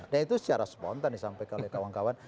dan itu secara spontan nih sampai kawan kawan